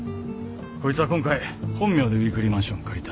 こいつは今回本名でウイークリーマンションを借りた。